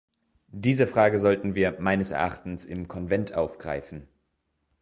Diese Frage sollten wir meines Erachtens im Konvent aufgreifen.